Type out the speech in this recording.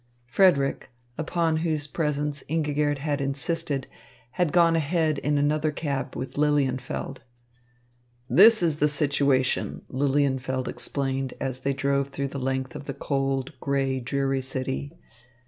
Frederick, upon whose presence Ingigerd had insisted, had gone ahead in another cab with Lilienfeld. "This is the situation," Lilienfeld explained as they drove through the length of the cold, grey, dreary city.